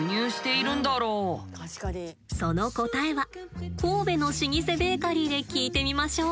その答えは神戸の老舗ベーカリーで聞いてみましょう。